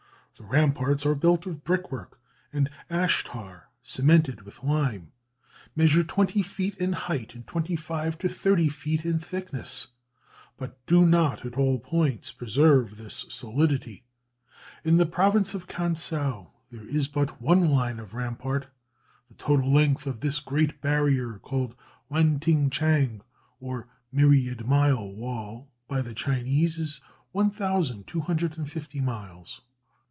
The ramparts are built of brickwork and ash tar cemented with lime; measure twenty feet in height, and twenty five to thirty feet in thickness; but do not at all points preserve this solidity. In the province of Kansou, there is but one line of rampart. The total length of this great barrier, called Wan ti chang (or "myriad mile wall") by the Chinese, is 1,250 miles.